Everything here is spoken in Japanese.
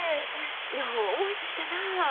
よう思い切ったなあ。